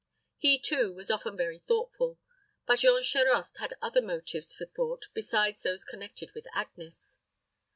He, too, was often very thoughtful; but Jean Charost had other motives for thought besides those connected with Agnes.